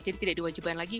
jadi tidak diwajibkan lagi